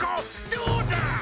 どうだ！